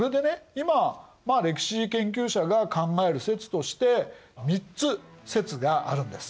今歴史研究者が考える説として３つ説があるんです。